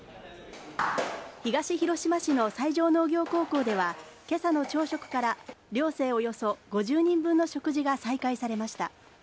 東広島市の西条農業高校では今朝の朝食から寮生およそ５０人分の食事が再開されました。